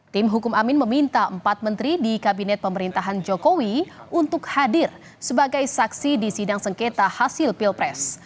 tim hukum amin meminta empat menteri di kabinet pemerintahan jokowi untuk hadir sebagai saksi di sidang sengketa hasil pilpres